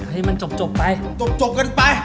ให้มันจบไปจบกันไป